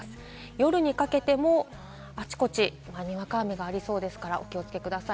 夜にかけてもあちこち、にわか雨がありそうですから、お気をつけください。